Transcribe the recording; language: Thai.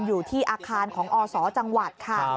อยู่ที่อาคารของอศจังหวัดค่ะ